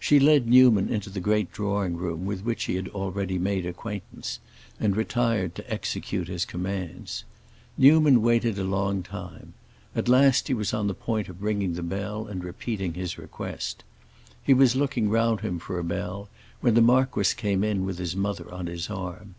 She led Newman into the great drawing room with which he had already made acquaintance, and retired to execute his commands. Newman waited a long time; at last he was on the point of ringing and repeating his request. He was looking round him for a bell when the marquis came in with his mother on his arm.